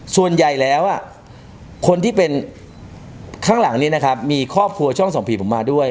ส่วนใหญ่แล้วคนที่เป็นข้างหลังนี้นะครับมีครอบครัวช่องส่องผีผมมาด้วย